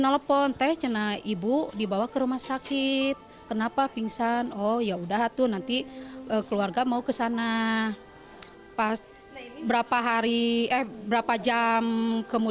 saya cenderung ibu sudah tidak ada kira kira jam lima